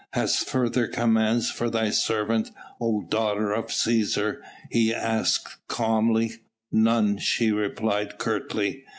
"Hast further commands for thy servant, O daughter of Cæsar?" he asked calmly. "None," she replied curtly.